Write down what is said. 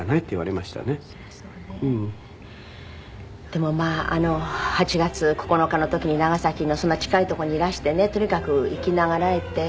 でもまあ８月９日の時に長崎のそんな近い所にいらしてねとにかく生きながらえて。